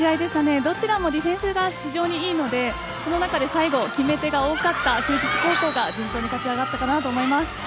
どちらもディフェンスが非常に良いのでその中で最後決め手が大きかった就実高校が勝ち上がったかなと思います。